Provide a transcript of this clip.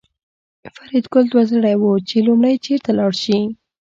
فریدګل دوه زړی و چې لومړی چېرته لاړ شي